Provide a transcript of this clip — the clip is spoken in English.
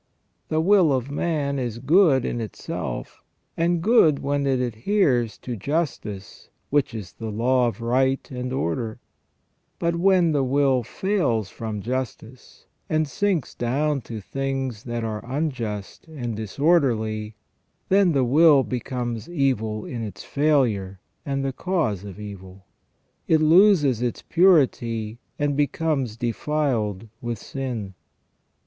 The will of man is good in itself, and good when it adheres to justice, which is the law of right and order ; but when the will fails from justice, and sinks down to things that are unjust and disorderly, then the will ON EVIL AND THE ORIGIN OF EVIL. i8i becomes evil in its failure, and the cause of evil. It loses its purity, and becomes defiled with sin.